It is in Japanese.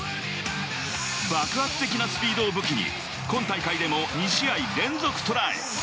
爆発的なスピードを武器に今大会でも２試合連続トライ。